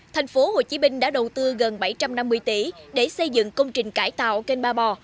thành phố hồ chí minh đã đầu tư gần bảy trăm năm mươi tỷ để xây dựng công trình cải tạo kênh ba bò